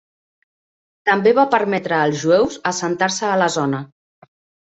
També va permetre als jueus assentar-se a la zona.